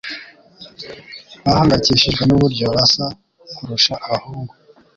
bahangayikishijwe nuburyo basa kurusha abahungu.